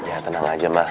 ya tenang aja mak